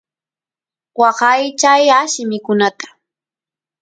waqaychay alli mikunata